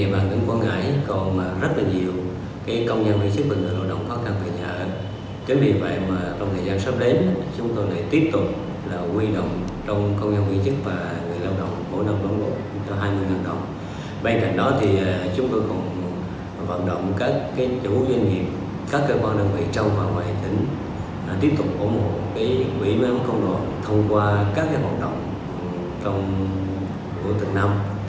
bên cạnh đó thì chúng tôi còn hoạt động các chủ doanh nghiệp các cơ quan đơn vị trong và ngoài tỉnh tiếp tục ủng hộ quỹ máy ấm công đoàn thông qua các hoạt động của tầng năm